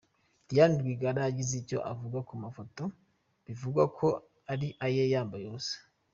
Diane Rwigara yagize icyo avuga ku mafoto bivugwa ko ari aye yambaye ubusa.